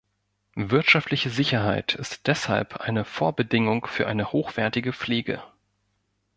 Wirtschaftliche Sicherheit ist deshalb eine Vorbedingung für eine hochwertige Pflege.